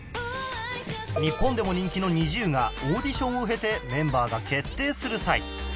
日本でも人気の ＮｉｚｉＵ がオーディションを経てメンバーが決定する際